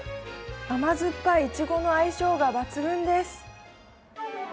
甘酸っぱいいちごの相性が抜群です。